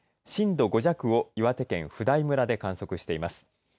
震度５弱を岩手県普代村で観測しています。